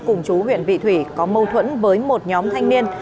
cùng chú huyện vị thủy có mâu thuẫn với một nhóm thanh niên